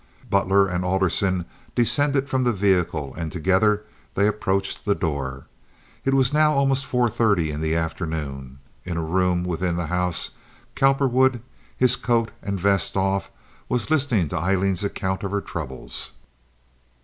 Butler and Alderson descended from the vehicle, and together they approached the door. It was now almost four thirty in the afternoon. In a room within the house, Cowperwood, his coat and vest off, was listening to Aileen's account of her troubles.